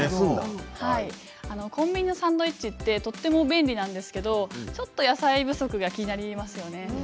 コンビニのサンドイッチはとても便利なんですけれどちょっと野菜不足が気になりますよね。